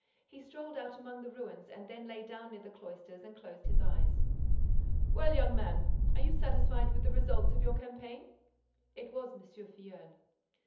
He strolled about among the ruins and then lay down near the cloisters and closed his eyes. "Well, young man, are you satisfied with the results of your campaign?" It was M. Filleul.